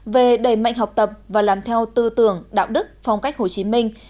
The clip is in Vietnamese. về đẩy mạnh học tập và làm theo tư tưởng đạo đức phong cách hồ chí minh